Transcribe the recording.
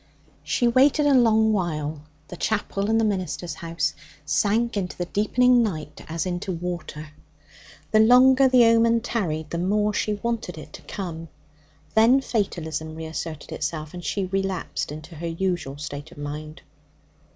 She waited a long while. The chapel and the minister's house sank into the deepening night as into water. The longer the omen tarried, the more she wanted it to come. Then fatalism reasserted itself, and she relapsed into her usual state of mind.